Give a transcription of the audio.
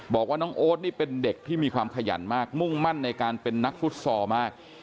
บอกว่าน้องโอ๊ตนี่เป็นเด็กที่มีความขยันมากมุ่งมั่นในการเป็นนักฟุตซอลมาก